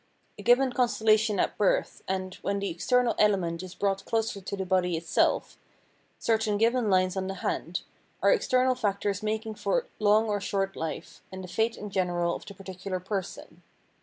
A given constellation at birth, and, when the external element is brought closer to the body itself, certaia given lines on the hand, are external factors making for long or short hfe, and the fate in general of the particular person.